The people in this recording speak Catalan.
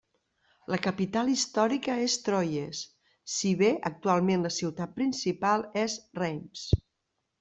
La capital històrica és Troyes si bé actualment la ciutat principal és Reims.